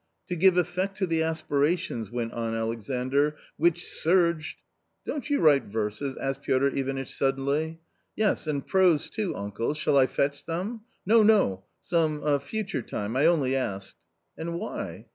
"To give effect to the aspirations, which surged "" Don't you write verses ?" asked Piotr Ivanitch suddenly. " Yes, and prose, too, uncle \ shall I fetch some ?" "No, no !— some future time ; I only asked." "And why?"